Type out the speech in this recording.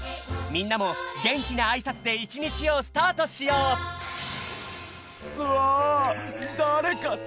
みんなもげんきなあいさつでいちにちをスタートしよううわ！